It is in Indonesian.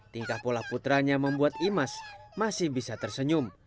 tingkah pola putranya membuat imas masih bisa tersenyum